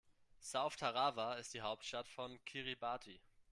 South Tarawa ist die Hauptstadt von Kiribati.